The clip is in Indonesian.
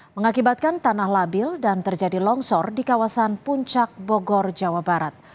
mengakibatkan tanah labil dan terjadi longsor di kawasan puncak bogor jawa barat